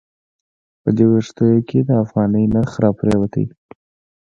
په دې وروستیو کې د افغانۍ نرخ راپریوتی.